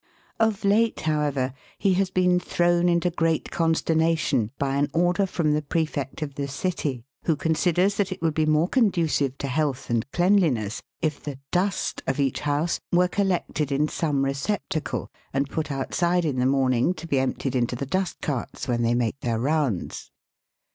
Of late, however, he has been thrown into great consterna tion by an order from the Prefect of the city, who considers that it would be more conducive to health and cleanliness if the " dust " of each house were collected in some recep tacle, and put outside in the morning to be emptied into the dust carts when they make their rounds.